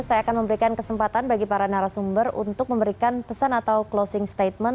saya akan memberikan kesempatan bagi para narasumber untuk memberikan pesan atau closing statement